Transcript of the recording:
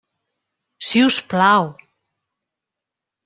Si us plau!